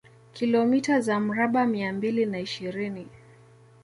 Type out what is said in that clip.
Kilomita za mraba mia mbili na ishirini